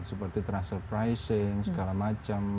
seperti transfer pricing segala macam